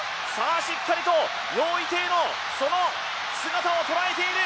しっかりと余依テイのその姿を捉えている！